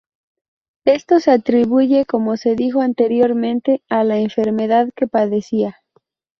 Esto se atribuye, como se dijo anteriormente, a la enfermedad que padecía.